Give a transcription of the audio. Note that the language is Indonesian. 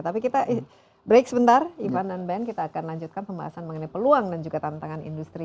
tapi kita break sebentar ivan dan ben kita akan lanjutkan pembahasan mengenai peluang dan juga tantangan industri